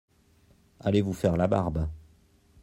Allez vous faire la barbe.